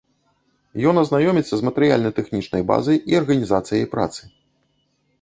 Ён азнаёміцца з матэрыяльна-тэхнічнай базай і арганізацыяй працы.